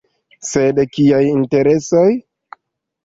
Sed kiaj interesoj?